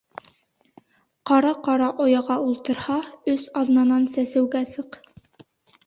Ҡара ҡарға ояға ултырһа, өс аҙнанан сәсеүгә сыҡ.